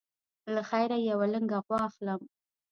له خیره یوه لنګه غوا اخلم.